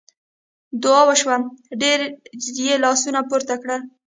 دعا وشوه ډېر یې لاسونه پورته کړل.